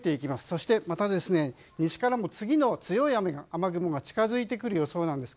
そして、また西からも次の強い雨雲が近づいてくる予想なんです。